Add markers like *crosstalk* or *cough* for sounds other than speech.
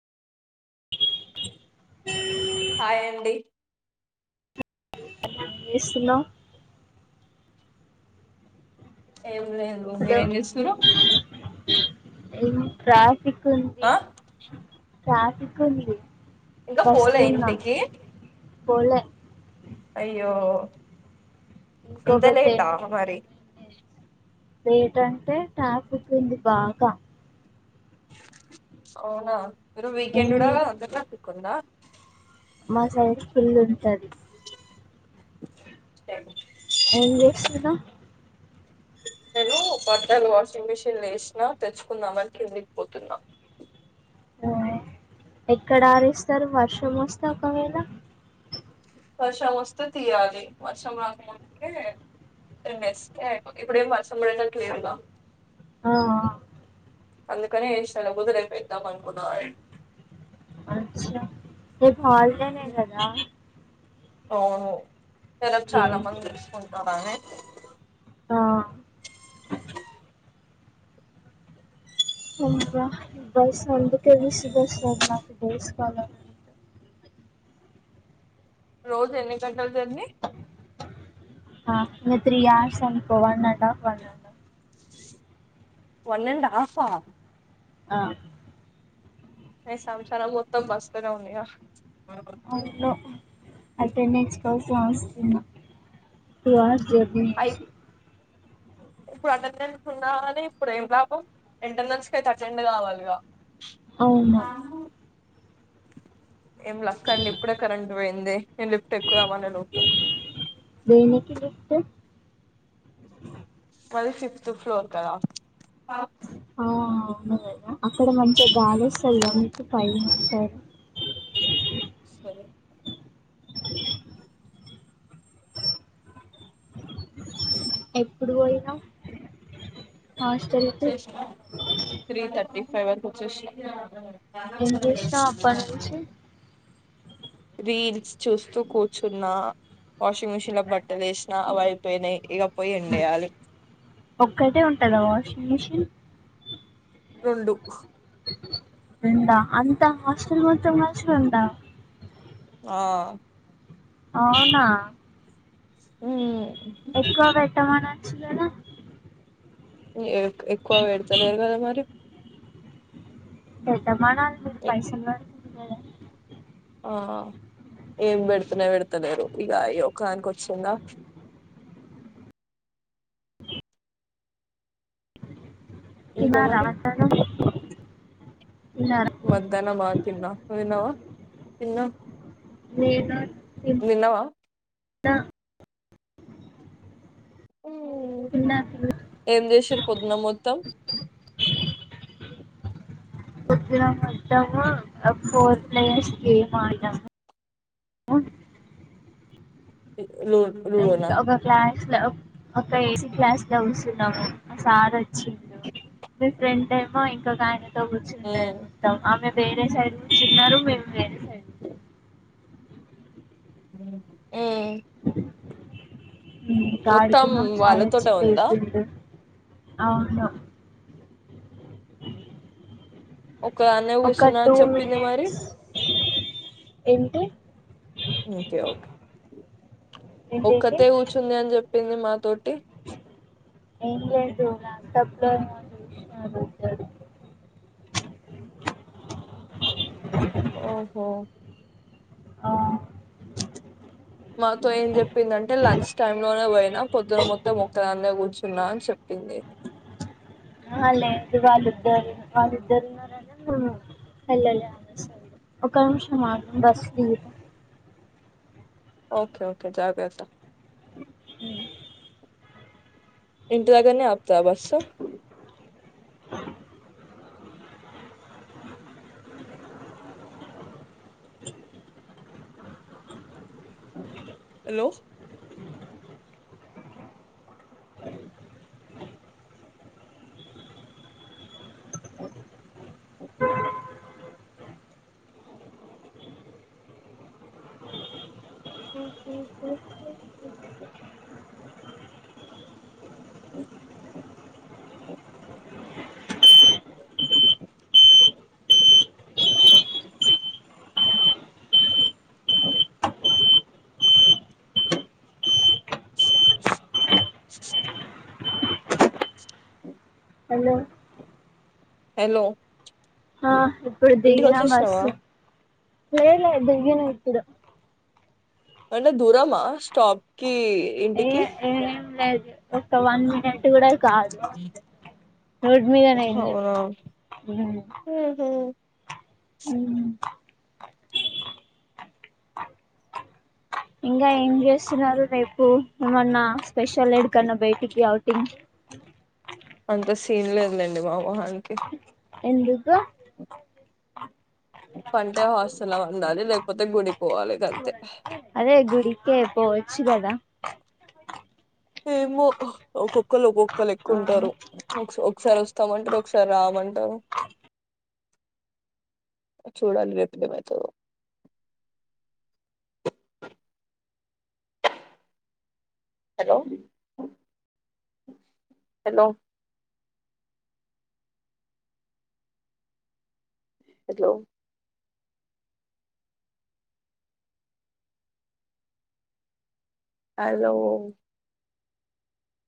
Hi అండి చేస్తున్నావ్ ఏం లేదు మీరేంచేస్తుండ్రు ఎమ్ ట్రాఫిక్ ఉంది ఆ ట్రాఫిక్ ఉంది ఇంగా ఫోలే బస్సులు ఇంటికి ఉన్నాయి పోలే అయ్యో ఇంత ఇంకొక లేటా మరి లేటంటే ట్రాఫిక్ ఉంది బాగా అవునా మీరు వీకెండ్ ఏం కూడా అంత ట్రాఫిక్కుంద మా సైడ్ ఫుల్లుంటది స *inaudible* ఎంజేస్తున్నావ్ డు బట్టలు వాషింగ్ మిషన్ల ఎషిన తెచ్చుకుందాంమని కిందికిపోతున్నా ఉమ్ ఎక్కడ ఆరేస్తరు వర్షం వస్తే ఒకవేల వర్షం వస్తే తీయాలి వర్షం రాకముందుకే ఎండేస్తే అయిపో ఇప్పుడేమ్ వర్షం పడేటట్లు లేదుగా ఆ అ అందుకానే ఎషీనా లేకపోతే రేపేద్దాం అనుకున్నా అచ్చ రేప్ హాల్డేనే కదా అవును ఇగ రేప్ చాలా మంది వేసుకుంటారని ఆ బ బస్ అందుకే విసుగొస్తాది నాకు డేస్కాలర్ రోజు ఎన్నిగంటలు జర్నీ ఆ ఇంగ త్రీ హౌర్స్ అనుకో one and half one and half one and హాఫా ఆ ఎ సంసారం మొత్తం బస్తనే ఉందిగా అవును అటెండెన్స్ నోడ్స్ రాస్తున్న టూ హౌర్స్ జర్నీ అయి ఇప్పుడు అటెండెన్స్ ఉన్నా కాని ఇప్పుడు ఏం లాభం ఇంటర్నల్స్ కి అయితే అటెండ్ కావాలిగా అవునా ఏం లక్ అండి ఇప్పుడే కరెంట్ పోయింది నేను లిఫ్ట్ ఎక్కుదాం అనేలోపు దేనికి లిఫ్ట్ మది ఫిఫ్త్ ఫ్లోర్ కదా ఆ హ అవును గదా అక్కడ మంచి గాలోస్తది గ మీకు పైన సరే ఎప్పుడు పోయినవ్ త్రీ థర్టీ ఫైవ్ వరకు వచ్చేసినా *inaudible* ఏం చేసినావ్ అప్పటి నుంచి రీల్స్ చూస్తూ కూర్చున్నా వాషింగ్ మిషన్లో బట్టలేసిన అవి ఐపోయినాయి ఇగ ఒక్కటే ఉంటదా వాషింగ్ మిషిన్ రొండు రెండా అంత హాస్టల్ మొత్తం కలిసి రొండా ఆ అవునా ఉమ్ ఎక్కువ పెట్టమనొచ్చుగద ఎ ఎక్కువ పెడుతలేరు కదా మరి పెట్టమనాలి మీరు పైసల్ కడుతురు కదా ఆ ఏం పెడుతునె పెడతలేరు ఇగ ఈ ఒక్కదానకే వచ్చింద ఇంకా తినారా మరి మధ్యాహ్నం తిన్నారా మధ్యాహ్నమా తిన్న నువ్ తిన్నావా నేనో తిన్నావా న్నా తిన్నా తిన్నా ఉమ్ చేసింర్రు పొద్దున మొత్తం ఆ ఫోర్ ప్లేయర్స్ గేమ్ ఆడినమా లు లూడో నా ఒ ఒక ఏసి క్లాస్ లో కుసున్నాము ఆ సార్ వచ్చిండు మీ ఫ్రెండేమో ఇంకొక అయిన కూర్చుండే మ్మ్. మొత్తం ఆమె వేరే సైడ్ కూర్చున్నారు మేము వేరే సైడ్ కూర్చున్నాం ఉమ్ ఉమ్ ఆడుకున్నాం సార్ వచ్చి వాళ్ళతోటే ఉందా లేపిండు అవును ఒక్కదాన్నే ఒక కూర్చున్నా టూ అని చెప్పింది మరి మినిట్స్ ఏంటి ఓకేఓకే ఏంటేంటి ఒక్కతే కూర్చుంది అని చెప్పింది మాతోటి ఏంలేదు లాప్టాప్ లో ఏమో చూసిన *inaudible* *inaudible* ఓహో ఆ మాతో ఏం చెప్పిందంటే లంచ్ టైమ్ లోనే పోయినా పొద్దున మొత్తం ఒక్కదాన్నే కూర్చు. తిన్నా చెప్పింది. ఆహా లేదు వాళ్లిద్దరు వాళ్లిద్దరూన్నా ర ఎల్లలే ఆమెసైడ్ ఒక్క నిమిషం ఆగు బస్ దిగుత ఓకే ఓకే జాగ్రత్త. ఉమ్. ఇంటి దగ్గరనే ఆపుతాద బస్సు. హలో. ఆహ్. బ్లాంక్ *inaudible* బ్లాంక్ *inaudible* అవ్. అవ్ స్ స్ సుస్ హలో. హలో. ఆ, ఇప్పుడు ఇంటికి దిగినాం వచ్చేసినావా బస్సు లేలే దిగినా ఇప్పుడు. అంటే దూరమా స్టాప్కి ఏ ఇంటికి. ఏం లేదు ఒక వన్ మినిట్ కూడా కాదు. రోడ్ మీదనే ఇల్లు. అవునా ఉహు ఉమ్. ఇంగా ఏం చేస్తున్నారు రేపు ఏమన్నా స్పెషల్ ఎడికన్నా బయటికి అవుటింగ్. *unintelligible* అంత సీన్ లేదులేండి మా మొహానికి. ఎందుకు. పంటే హాస్టల్లో పండాలి లేకపోతే గుడికిపోవాలి గంతే. అదే గుడికే పోవచ్చు కదా. ఏమో ఒక్కకళ్ళు ఒకలెక్క ఆ ఉంటారు ఒక్ ఒకసారి వస్తామంటారు ఒకసారి రామ్. అంటారు. బ్లాంక్ చూడాలి రేప్ ఏమైతాదో. Hello hello. హలో. హలో.